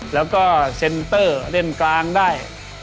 แล้วก็เซ็นเตอร์เล่นกลางได้